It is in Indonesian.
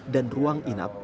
dan ruang inap